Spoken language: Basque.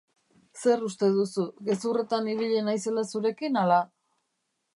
Zer uste duzu, gezurretan ibili naizela zurekin, ala?